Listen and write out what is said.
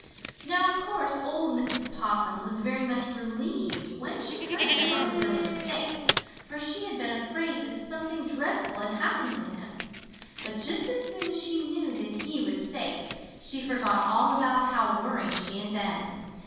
Now of course old Mrs. Possum was very much relieved when she heard that Unc' Billy was safe, for she had been afraid that something dreadful had happened to him. But just as soon as she knew that he was safe, she forgot all about how worried she had been.